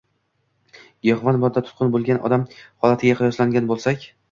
giyohvand moddaga tutqun bo‘lgan odam holatiga qiyoslagan bo‘lsak